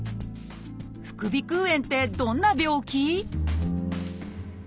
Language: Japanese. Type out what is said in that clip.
「副鼻腔炎」ってどんな病気？